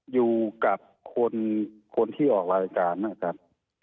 อยู่กับคนที่ออกรายการนะครับ